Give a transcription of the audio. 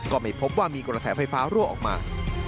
ก็ไม่พบว่ามีกระแสไฟฟ้ารั่วออกมา